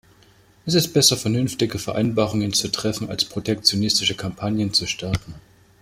Es ist besser vernünftige Vereinbarungen zu treffen als protektionistische Kampagnen zu starten.